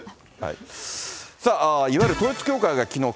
さあ、いわゆる統一教会がきのう